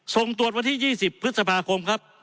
ส่งตรวจวันที่๒๐พฤษภาคมครับ